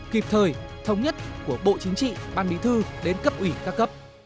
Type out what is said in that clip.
kịp thời thống nhất của bộ chính trị ban bí thư đến cấp ủy các cấp